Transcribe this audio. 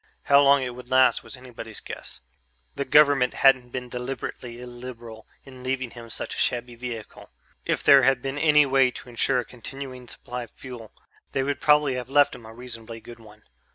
How long it would last was anybody's guess. The government hadn't been deliberately illiberal in leaving him such a shabby vehicle; if there had been any way to ensure a continuing supply of fuel, they would probably have left him a reasonably good one.